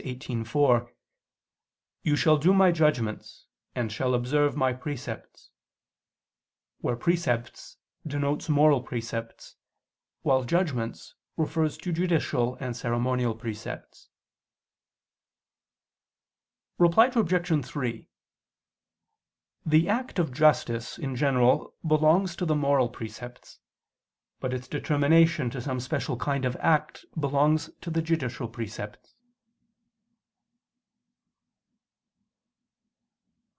18:4: "You shall do My judgments, and shall observe My precepts," where "precepts" denotes moral precepts, while "judgments" refers to judicial and ceremonial precepts. Reply Obj. 3: The act of justice, in general, belongs to the moral precepts; but its determination to some special kind of act belongs to the judicial precepts.